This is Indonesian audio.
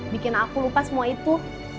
bikin aku lupa semua itu